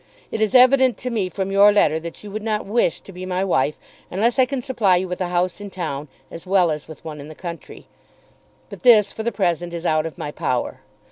It is evident to me from your letter that you would not wish to be my wife unless I can supply you with a house in town as well as with one in the country. But this for the present is out of my power.